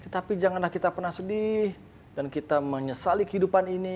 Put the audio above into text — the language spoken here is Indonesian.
tapi janganlah kita pernah sedih dan kita menyesali kehidupan ini